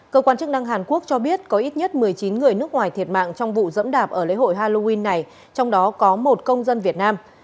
cơ quan chức năng hàn quốc cho biết có ít nhất một mươi chín người nước ngoài thiệt mạng trong vụ dẫm đạp ở lễ hội halloween này trong đó có một công dân việt nam